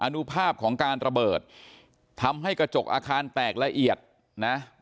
นุภาพของการระเบิดทำให้กระจกอาคารแตกละเอียดนะ